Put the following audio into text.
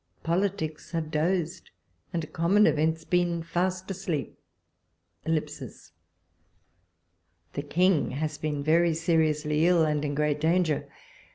Politics have dozed, and common events been fast asleep. .. The King has been very seriously ill, and in great danger.